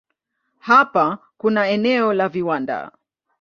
Hapa kuna eneo la viwanda.